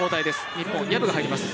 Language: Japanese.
日本、薮が入ります。